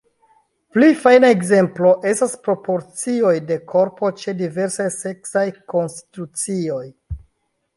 Pli fajna ekzemplo estas proporcioj de korpo ĉe diversaj seksaj konstitucioj.